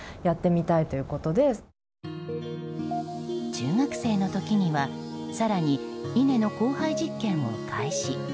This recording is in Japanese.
中学生の時には更に、稲の交配実験を開始。